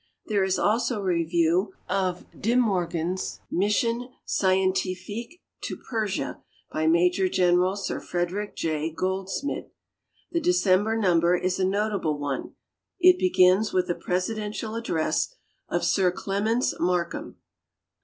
Tliere is also a review of De ^lorgan's ^lission Scientifique to Persia, by >hijor General Sir Frederick J. Cold smid. The Decend)er number is a notable one. It begins with the presi dential address of Sir Clements 3Iarkham.